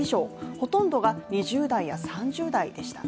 ほとんどが２０代や３０代でした。